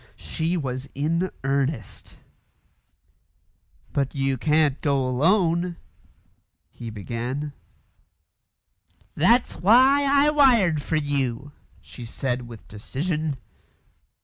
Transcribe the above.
She was in earnest. "But you can't go alone " he began. "That's why I wired for you," she said with decision.